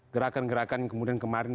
gerakan gerakan yang kemudian kemarin